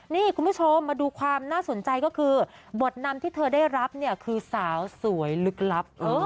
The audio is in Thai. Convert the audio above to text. นี่คุณผู้ชมมาดูความน่าสนใจก็คือบทนำที่เธอได้รับเนี่ยคือสาวสวยลึกลับ